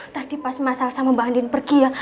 tadi pas masalah sama mba andien pergi ya